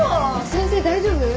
先生大丈夫？